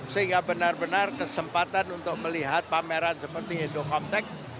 sehingga benar benar kesempatan untuk melihat pameran seperti indocometect